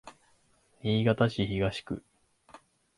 新潟市東区